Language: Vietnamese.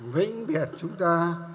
vĩnh biệt chúng ta